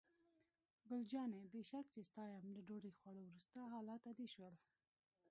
ګل جانې: بې شک چې ستا یم، له ډوډۍ خوړو وروسته حالات عادي شول.